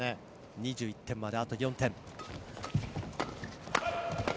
２１点まであと４点。